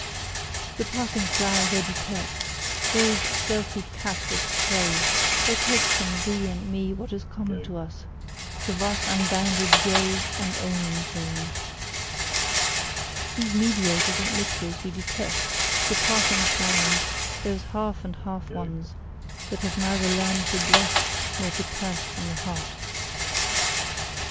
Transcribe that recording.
The passing clouds I detest those stealthy cats of prey: they take from thee and me what is common to us the vast unbounded Yea and Amen saying. These mediators and mixers we detest the passing clouds: those half and half ones, that have neither learned to bless nor to curse from the heart.